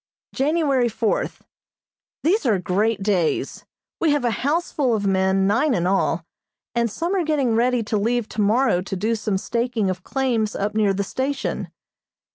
January fourth: These are great days. We have a houseful of men, nine in all, and some are getting ready to leave tomorrow to do some staking of claims up near the station.